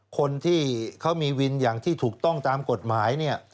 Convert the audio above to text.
คนที่เขามีวินอย่างที่ถูกต้องตามกฎหมายเนี่ย